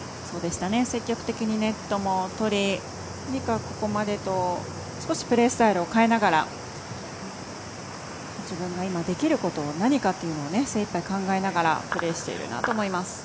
積極的にネットもとりここまでと少しプレースタイルを変えながら自分が今、できることは何かというのを精いっぱい考えながらプレーしているなと思います。